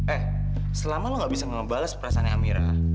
eh selama lo gak bisa ngebales perasaan amira